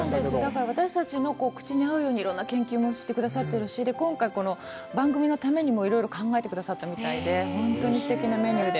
だから、私たちの口に合うようにいろんな研究もしてくださっているし、今回、この番組のためにも考えてくださったみたいで、本当にすてきなメニューで。